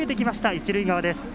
一塁側です。